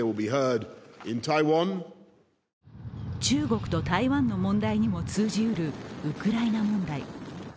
中国と台湾の問題にも通じうるウクライナ問題。